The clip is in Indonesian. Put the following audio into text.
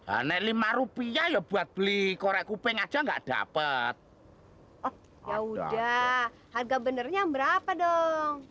lima lima aneh rp lima ya buat beli korek kuping aja nggak dapet ya udah harga benernya berapa dong